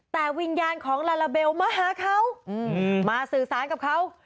แต่วิญญาณของลาลาเบลมาหาเขามาสื่อสารกับเขา